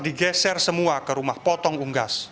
digeser semua ke rumah potong unggas